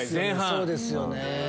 そうですよね。